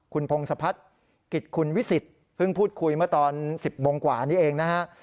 คุณพงศพัฒน์กิจคุณวิสิทธิ์เพิ่งพูดคุยเมื่อตอน๑๐โมงกว่านี้เองนะฮะ